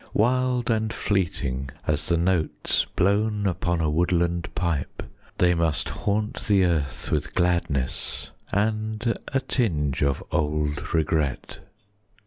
Wild and fleeting as the notes Blown upon a woodland pipe, 30 They must haunt the earth with gladness And a tinge of old regret.